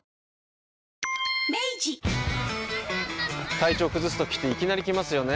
体調崩すときっていきなり来ますよね。